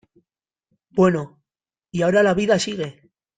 bueno, y ahora la vida sigue.